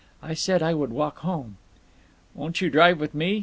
I said I would walk home." "Won't you drive with me?"